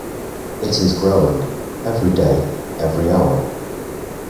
It is growing, every day, every hour.